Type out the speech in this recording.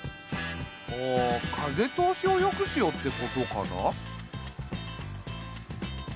お風通しをよくしようってことかな？